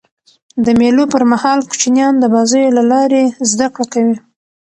د مېلو پر مهال کوچنيان د بازيو له لاري زدهکړه کوي.